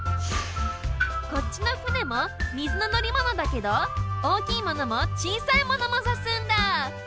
こっちの「船」もみずののりものだけどおおきいものもちいさいものもさすんだ！